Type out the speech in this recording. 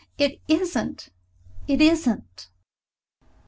it isn't! it isn't!"